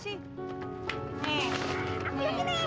aku yang ini